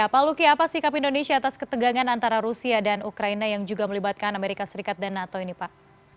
pak luki apa sikap indonesia atas ketegangan antara rusia dan ukraina yang juga melibatkan amerika serikat dan nato ini pak